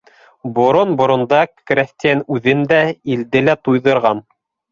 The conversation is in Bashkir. Борон-борондан крәҫтиән үҙен дә, илде лә туйҙырған.